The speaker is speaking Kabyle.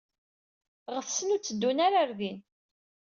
Ɣetsen ur tteddun ara ɣer din.